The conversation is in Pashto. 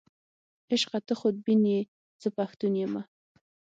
عشقه ته خودبین یې، زه پښتون یمه.